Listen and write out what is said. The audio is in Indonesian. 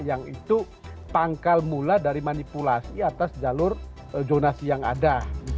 yang itu pangkal mula dari manipulasi atas jalur zonasi yang ada